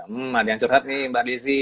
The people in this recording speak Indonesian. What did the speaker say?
hmm ada yang curhat nih mbak desi